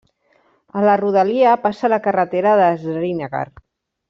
A la rodalia passa la carretera de Srinagar.